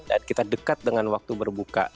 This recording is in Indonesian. terus kita harus berhati hati dengan waktu berbuka